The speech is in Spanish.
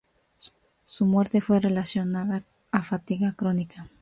Su muerte fue relacionada a fatiga crónica.